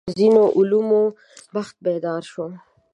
د ځینو علومو بخت بیدار شو.